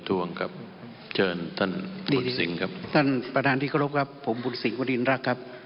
ท่านประธานทิกระร๊บครับผมบุสิงค์ควะดินรักครับ